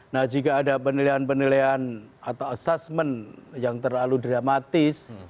nah jika ada penilaian penilaian atau assessment yang terlalu dramatis